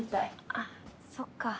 ああそっか。